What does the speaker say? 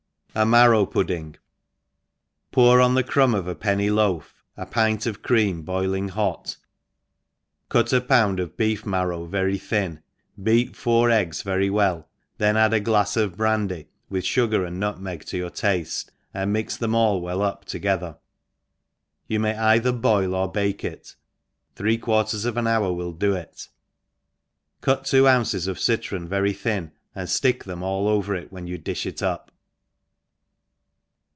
^Marrow Pudding. POUR on the crumb of a penny loaf a pint of cream boiling hot, cut a pound of beef mar row very thin, beat four eggs very well, then add aglafs of brandy, with fugar and nutmeg to your taftc, and mix them all well up together ; you may either boil or bake it, three quarters of an hour will do it, cut two ounces of citron very thin, and ilick them all over it when you di(h it up.